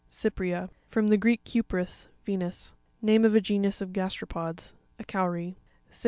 Cypr#'a.—From the Greek, kupris, Venus. Name of a genus of gas teropods. <A cowry.